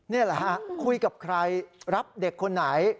นี่แหละฮะคุยกับใครรับเด็กคนไหน